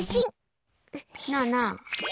なあなあ。